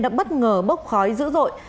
đã bất ngờ bốc khói dữ dội